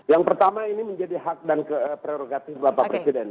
yang pertama ini menjadi hak dan prerogatif bapak presiden